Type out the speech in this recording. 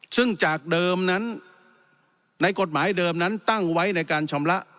ซึ่งจากเดิมนั้นในกฎหมายเดิมนั้นตั้งไว้ในการชำระ